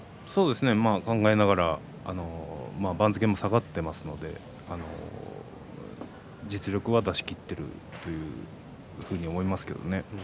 考えながら番付も下がっていますので実力は出し切っているというふうに思いますけどね。